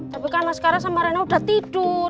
tapi kan mas kara sama rena udah tidur